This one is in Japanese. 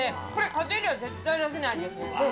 家庭では絶対出せない味ですね。